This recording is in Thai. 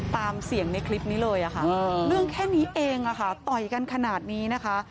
ตามเสียงในคลิปนี้เลยค่ะเรื่องแค่นี้เองต่อยกันขนาดนี้นะคะ